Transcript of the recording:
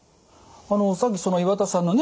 さっき岩田さんのね